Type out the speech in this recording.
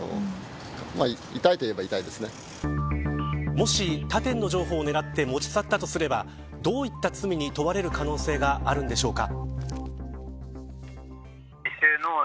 もし他店の情報を狙って持ち去ったとすればどういった罪に問われる可能性があるのでしょうか。